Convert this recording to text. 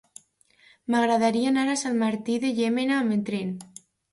M'agradaria anar a Sant Martí de Llémena amb tren.